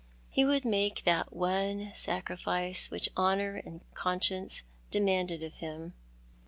He would make that one sacrifice which honour and conscience demanded of him.